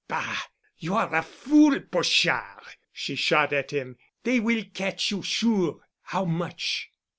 "Bah! You are a fool, Pochard!" she shot at him. "They will catch you sure. How much?"